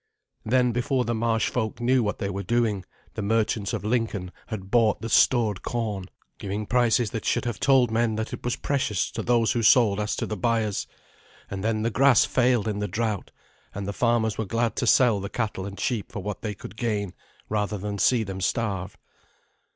Then before the marsh folk knew what they were doing, the merchants of Lincoln had bought the stored corn, giving prices that should have told men that it was precious to those who sold as to the buyers; and then the grass failed in the drought, and the farmers were glad to sell the cattle and sheep for what they could gain, rather than see them starve.